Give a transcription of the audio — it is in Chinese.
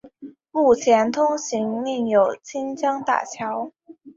目前通行另有清江大桥。